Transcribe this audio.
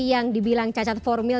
yang dibilang cacat formil